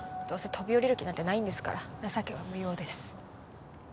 どうせ飛び降りる気なんてないんですから情けは無用です。